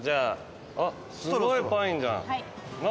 すごいパインじゃん。